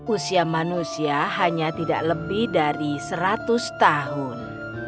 usia manusia hanya tidak lebih dari seratus tahun